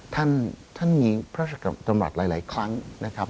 ท่านมีพระชนมรรดิหลายครั้งนะครับ